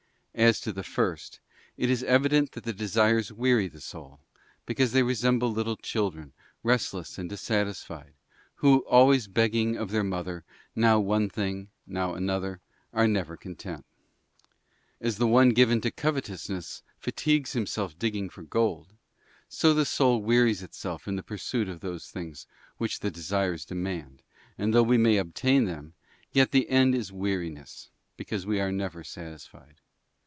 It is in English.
As to the first, it is evident that the desires weary the soul, because they resemble little children, restless and dissatisfied, who always begging of their mother, now one thing, now another, are never content. As one given to covetousness fatigues himself digging for gold, so the soul wearies itself in the pursuit of those things which the desires demand, and though we may obtain them, yet the end is weariness, because we are never satisfied.